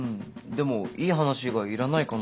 でもいい話以外いらないかなって。